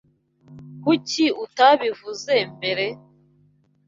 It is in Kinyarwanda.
Kuki utabivuze mbere?